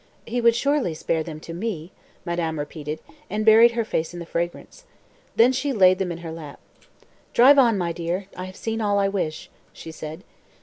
"He would surely spare them to me," madame repeated, and buried her face in their fragrance. Then she laid them in her lap. "Drive on, my dear, I have seen all I wish," she said.